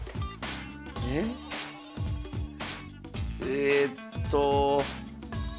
えっと。